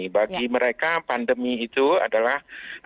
bagi mereka pandemi itu adalah